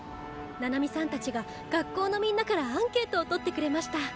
ナナミさんたちが学校のみんなからアンケートを取ってくれました。